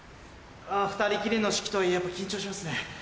あ２人きりの式とはいえやっぱ緊張しますね。